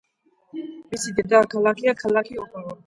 მისი დედაქალაქია ქალაქი ოპავა.